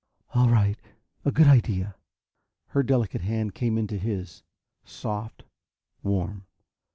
"All right. A good idea." Her delicate hand came into his, soft, warm.